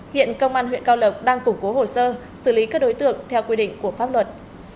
hiện công an huyện cao lộc đang củng cố hồ sơ xử lý các đối tượng theo quy định của pháp luật